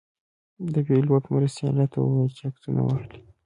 د پیلوټ مرستیال راته ویل چې عکسونه واخلئ.